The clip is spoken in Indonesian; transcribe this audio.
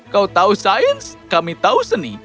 kau tahu sains kami tahu seni